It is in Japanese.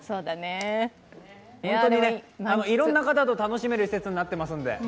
本当にいろんな方と楽しめる施設になってます